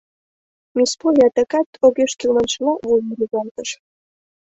Мисс Полли адакат огеш кӱл маншыла вуйым рӱзалтыш.